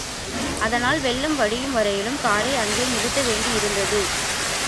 அதனால் வெள்ளம் வடியும் வரையிலும் காரை அங்கே நிறுத்த வேண்டியிருந்தது.